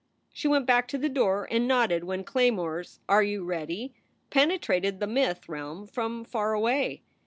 She went back to the door and nodded when Claymore s "Are you ready?" penetrated the myth realm from far away.